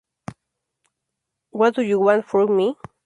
What Do You Want from Me?